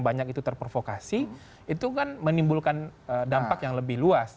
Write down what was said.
banyak itu terprovokasi itu kan menimbulkan dampak yang lebih luas